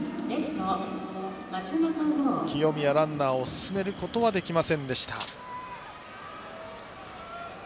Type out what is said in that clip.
清宮、ランナーを進めることはできませんでした。